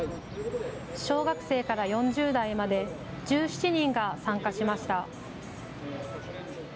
小学生から４０代まで１７人が参加しました。